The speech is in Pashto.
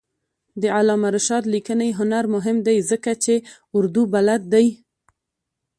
د علامه رشاد لیکنی هنر مهم دی ځکه چې اردو بلد دی.